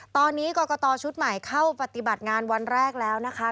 ตอนนี้กรกตชุดใหม่เข้าปฏิบัติงานวันแรกแล้วนะคะ